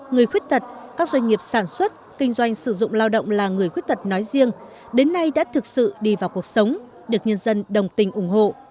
người khuyết tật các doanh nghiệp sản xuất kinh doanh sử dụng lao động là người khuyết tật nói riêng đến nay đã thực sự đi vào cuộc sống được nhân dân đồng tình ủng hộ